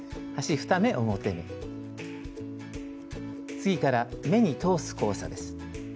次から目に通す交差です。